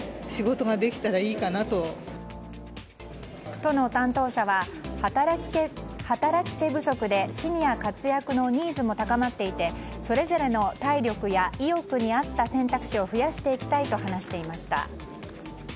都の担当者は働き手不足でシニア活躍のニーズも高まっていてそれぞれの体力や意欲に合った選択肢を増やしていきたいと話していました。